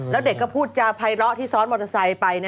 แล้วเด็กก็พูดจาภัยเลาะที่ซ้อนมอเตอร์ไซค์ไป